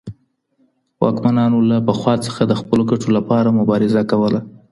واکمنانو له پخوا څخه د خپلو ګټو له پاره مبارزه کوله.